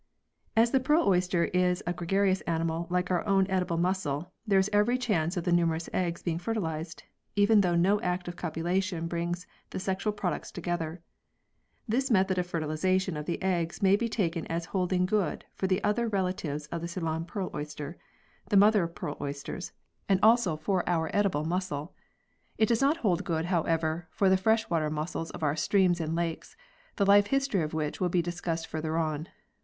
As the pearl oyster is a gregarious animal like our own edible mussel, there is every chance of the numerous eggs being fertilised, even though no act of copulation brings the sexual products together. This method of fertilisation of the eggs may be taken as holding good for the other relatives of the Ceylon Pearl Oyster the Mother of Pearl Oysters and also iv] LIFE HISTORY AND ENVIRONMENT 43 for our edible mussel. It does not hold good, how ever, for the fresh water mussels of our streams and lakes, the life history of which will be discussed further on.